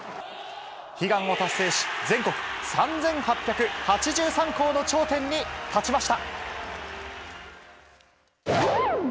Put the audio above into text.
悲願を達成し、全国３８８３校の頂点に立ちました。